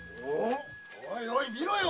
・おいおい見ろよ。